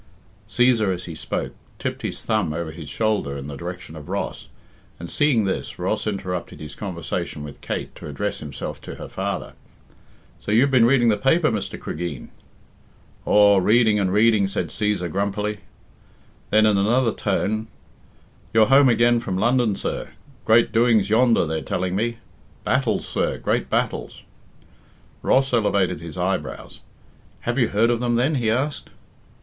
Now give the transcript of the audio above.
Cæsar, as he spoke, tipped his thumb over his shoulder in the direction of Ross, and, seeing this, Ross interrupted his conversation with Kate to address himself to her father. "So you've been reading the paper, Mr. Cregeen?" "Aw, reading and reading," said Cæsar grumpily. Then in another tone, "You're home again from London, sir? Great doings yonder, they're telling me. Battles, sir, great battles." Ross elevated his eyebrows. "Have you heard of them then?" he asked.